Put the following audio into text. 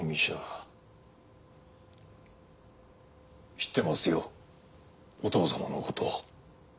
知ってますよお父さまのこと。